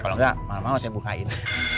kalau enggak malem malem saya bu kain